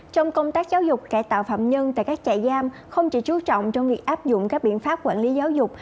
trong công tác giáo dục cải tạo phạm nhân tại các trại giam không chỉ chú trọng trong việc áp dụng các biện pháp quản lý giáo dục